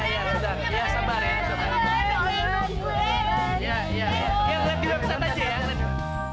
ya lebih lebih lebih santai ya